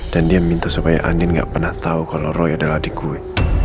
dan dia minta supaya andin gak pernah tau kalo roy adalah adik gue